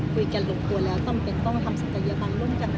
ต้องเป็นต้องทำสัตยาบาลร่วมกันอะไรพรุ่งนี้